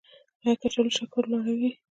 ایا کچالو شکر لوړوي؟